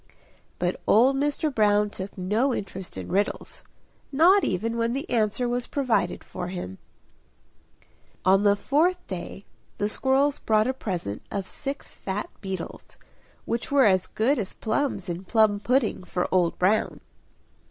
'" But old Mr. Brown took no interest in riddles not even when the answer was provided for him. On the fourth day the squirrels brought a present of six fat beetles, which were as good as plums in plum pudding for Old Brown.